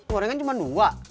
gorengan cuma dua